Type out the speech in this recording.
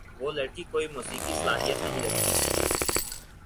وہ لڑکی کوئی موسیقی صلاحیت نہیں رکھتی تھی۔